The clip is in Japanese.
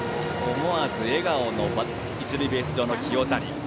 思わず笑顔の一塁ベース上の清谷。